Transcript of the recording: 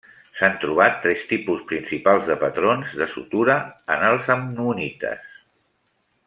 S'han trobat tres tipus principals de patrons de sutura en els ammonites.